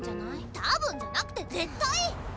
多分じゃなくて絶対！